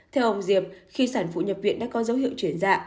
theo ông diệp khi sản phụ nhập viện đã có dấu hiệu chuyển dạ